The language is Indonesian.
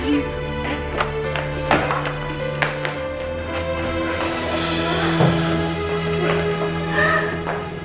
mas tapi rumah alasya